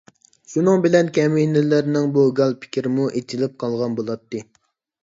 شۇنىڭ بىلەن كەمىنىلىرىنىڭ بۇ گال پىكرىمۇ ئېچىلىپ قالغان بولاتتى.